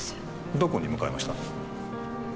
どこに向かいました？